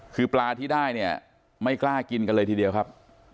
คือปลาที่ได้เนี่ยไม่กล้ากินกันเลยทีเดียวครับ